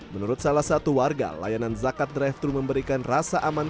menurut salah satu warga layanan zakat drive thru memberikan rasa aman